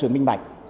là sự minh bạch